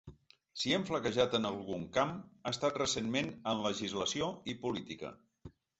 Si hem flaquejat en algun camp, ha estat recentment en legislació i política.